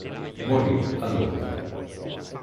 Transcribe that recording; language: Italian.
Morì a Londra.